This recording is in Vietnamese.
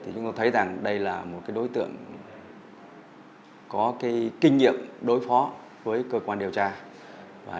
chúng tôi thấy rằng đây là một đối tượng có kinh nghiệm đối phó với cơ quan điều tra